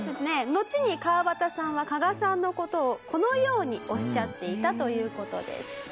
のちに川端さんは加賀さんの事をこのようにおっしゃっていたという事です。